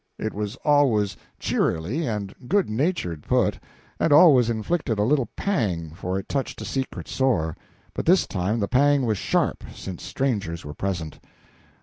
It was always cheerily and good naturedly put, and always inflicted a little pang, for it touched a secret sore; but this time the pang was sharp, since strangers were present.